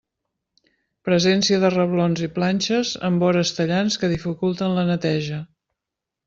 Presència de reblons i planxes amb vores tallants que dificulten la neteja.